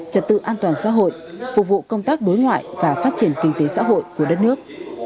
trật tự an toàn xã hội phục vụ công tác đối ngoại và phát triển kinh tế xã hội của đất nước